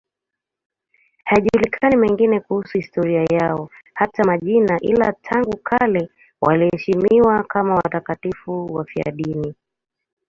Hayajulikani mengine kuhusu historia yao, hata majina, ila tangu kale wanaheshimiwa kama watakatifu wafiadini.